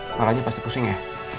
kepalanya pasti pusing ya